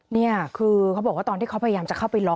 นี่คือเขาบอกว่าตอนที่เขาพยายามจะเข้าไปล็อก